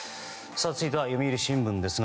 続いては読売新聞です。